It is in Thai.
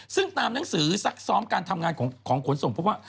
ซึ่งตามหนังสือซักซ้อมการทำงานของขนส่งพบว่า